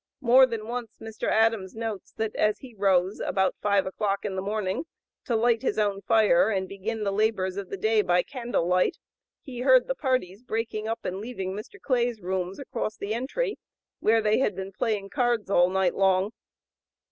More than once Mr. Adams notes that, as he rose about five o'clock in the morning to light his own fire and begin the labors of the day by candle light, he heard the parties breaking up and leaving Mr. Clay's rooms across the entry, where they had been playing cards all night long.